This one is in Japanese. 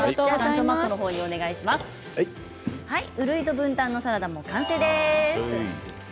うるいとぶんたんのサラダも完成です。